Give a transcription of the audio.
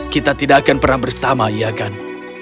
kita tidak akan pernah bersama iya kan